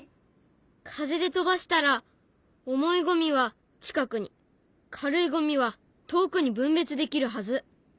風で飛ばしたら重いゴミは近くに軽いゴミは遠くに分別できるはず。